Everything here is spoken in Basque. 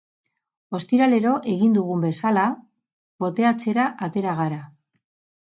Ostiralero egin dugun bezala, poteatzera atera gara.